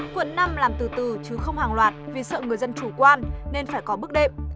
quận năm làm từ từ chứ không hàng loạt vì sợ người dân chủ quan nên phải có bước đệm